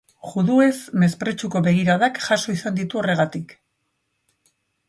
Juduez mespretxuko begiradak jaso izan ditu horregatik.